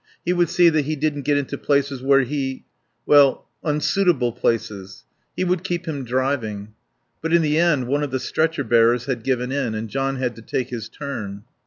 He would see that he didn't get into places where he well, unsuitable places. He would keep him driving. But in the end one of the stretcher bearers had given in, and John had to take his turn.